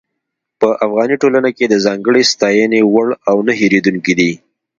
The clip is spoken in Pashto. په افغاني ټولنه کې د ځانګړې ستاينې وړ او نۀ هېرېدونکي دي.